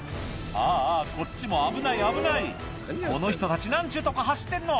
あぁこっちも危ない危ないこの人たち何ちゅうとこ走ってんの！